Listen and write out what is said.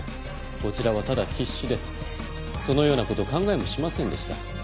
こちらはただ必死でそのようなこと考えもしませんでした。